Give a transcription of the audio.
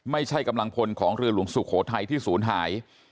ไม่ใช่กำลังพลของเรือหลวงสุโขทัยที่ศูนย์หาย